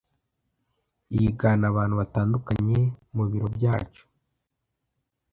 Yigana abantu batandukanye mu biro byacu.